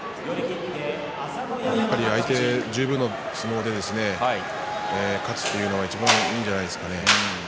やっぱり相手十分の相撲で勝つというのはいちばんいいんじゃないですかね。